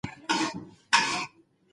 د سردرد شدت په ورځني ژوند اغېز کوي.